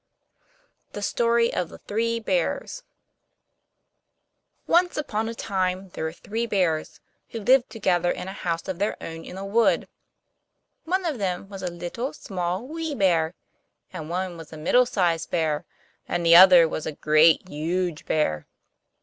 THE STORY OF THE THREE BEARS Once upon a time there were Three Bears, who lived together in a house of their own in a wood. One of them was a Little, Small, Wee Bear; and one was a Middle sized Bear, and the other was a Great, Huge Bear.